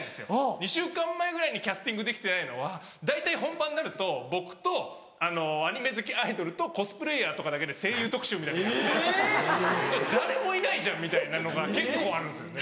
２週間前ぐらいにキャスティングできてないのは大体本番になると僕とアニメ好きアイドルとコスプレーヤーとかだけで声優特集みたいのやって誰もいないじゃんみたいなのが結構あるんですよね。